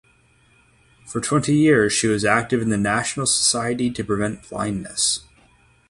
For twenty years she was active in the National Society to Prevent Blindness.